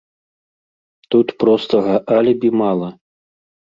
Тут простага алібі мала.